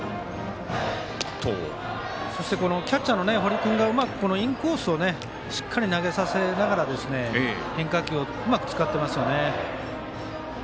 キャッチャーの堀君がうまくインコースをしっかり投げさせながら変化球をうまく使ってますよね。